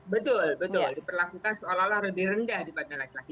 betul diperlakukan seolah olah lebih rendah daripada laki laki